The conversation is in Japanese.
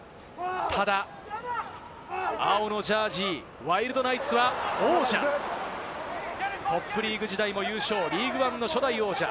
ただ青のジャージー、ワイルドナイツは王者、トップリーグ時代も優勝、リーグワンの初代王者。